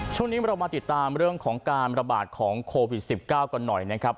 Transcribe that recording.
ช่วงนี้เรามาติดตามเรื่องของการระบาดของโควิด๑๙กันหน่อยนะครับ